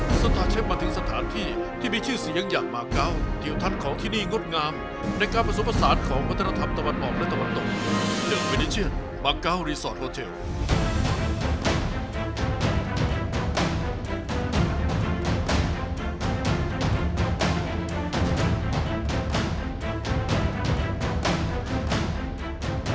สตาร์เชฟมาถึงสถานที่ที่มีชื่อเสียงอย่างมาเกาะเกี่ยวท่านของที่นี่งดงามในการผสมผสานของวัฒนธรรมตะวันออกและตะวันตกมินิเชียนมาเการีสอร์ทโลเจล